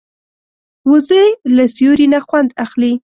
وزې له سیوري نه خوند اخلي